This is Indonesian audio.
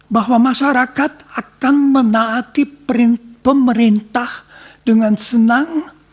bahwa masyarakat akan menaati pemerintah dengan senang